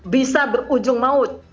bisa berujung maut